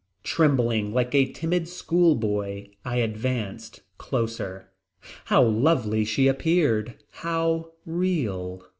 Trembling like a timid school boy I advanced closer. How lovely she appeared. How real.